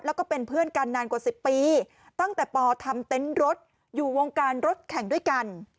แล้วก็เป็นเพื่อนกันนานกว่า๑๐ปีตั้งแต่ปทำเต็นต์รถอยู่วงการรถแข่งด้วยกัน